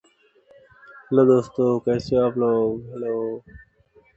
These conventions may be convenient for representing various voice onset times.